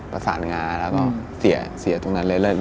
ประสานงาแล้วก็เสียตรงนั้นเรื่อย